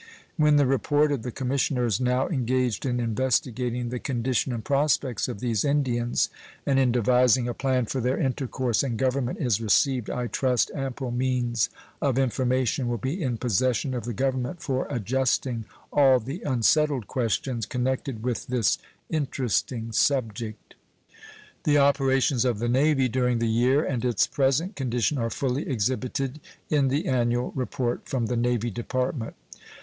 When the report of the commissioners now engaged in investigating the condition and prospects of these Indians and in devising a plan for their intercourse and government is received, I trust ample means of information will be in possession of the Government for adjusting all the unsettled questions connected with this interesting subject. The operations of the Navy during the year and its present condition are fully exhibited in the annual report from the Navy Department.